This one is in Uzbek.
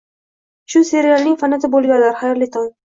Shu serialning fanati bo'lganlar, xayrli tong!